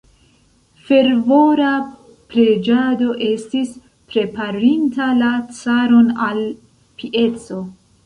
Fervora preĝado estis preparinta la caron al pieco.